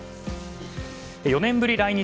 ４年ぶり来日！